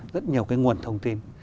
rất nhiều cái nguồn thông tin